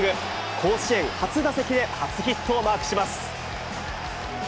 甲子園初打席で初ヒットをマークします。